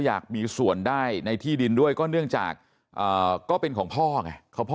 อยากมีส่วนได้ในที่ดินด้วยก็เนื่องจากก็เป็นของพ่อไง